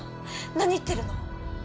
何言ってるの？